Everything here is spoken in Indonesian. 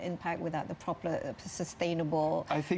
tanpa tindakan yang terdapat untuk menjaga kesehatan